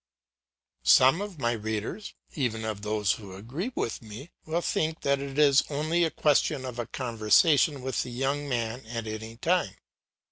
Some of my readers, even of those who agree with me, will think that it is only a question of a conversation with the young man at any time.